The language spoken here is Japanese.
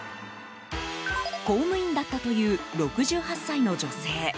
公務員だったという６８歳の女性。